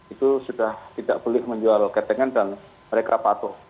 itu sudah tidak boleh menjual ketengan dan mereka patuh